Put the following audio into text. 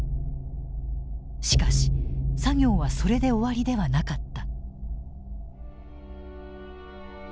しかし作業はそれで終わりではなかった。